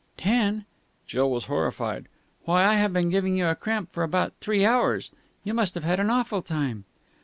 "Ten!" Jill was horrified. "Why, I have been giving you cramp for about three hours! You must have had an awful time!"